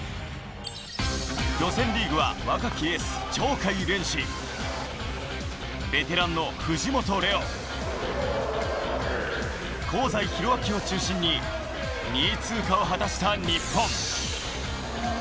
予選リーグは若きエース・鳥海連志、ベテランの藤本怜央、香西宏昭を中心に２位通過を果たした日本。